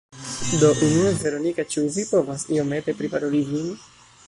Do unue, Veronika, ĉu vi povas iomete priparoli vin?